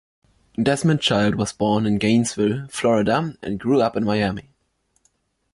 Desmond Child was born in Gainesville, Florida and grew up in Miami.